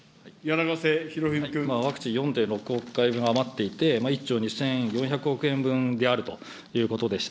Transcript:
ワクチン４．６億回分余っていて、１兆２４００億円分であるということでした。